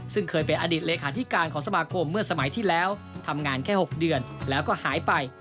ซึ่งเคยเป็นอดีตเลขาธิการของสมาคมเมื่อสมัยที่แล้วทำงานแค่๖เดือนแล้วก็หายไป